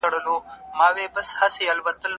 د بهرنیو چارو وزارت صادراتي توکي نه منع کوي.